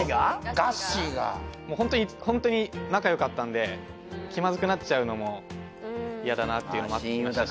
がっしーがもうホントにホントに仲良かったんで気まずくなっちゃうのも嫌だなっていうのもありましたし